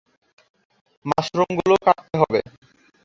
মাশরুমগুলো কাটতে হবে।